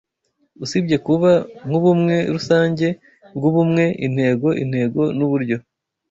Usibye kuba nk'ubumwe rusange bwubumwe intego intego nuburyo